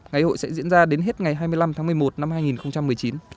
ngày hội sẽ diễn ra đến hết ngày hai mươi năm tháng một mươi một năm hai nghìn một mươi chín